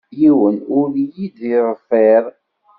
Yiwen ur yi-d-yeḍfir.